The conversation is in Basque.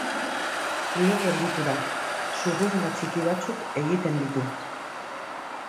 Lo gelditu da; zurrunga txiki batzuk egiten ditu.